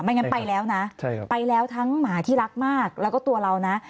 งั้นไปแล้วนะไปแล้วทั้งหมาที่รักมากแล้วก็ตัวเรานะ